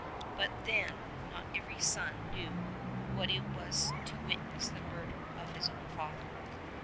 But then not every son knew what it was to witness the murder of his own father.